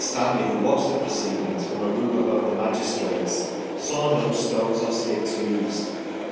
Stanley, who watched the proceedings from a room above the magistrates, saw no stones or sticks used."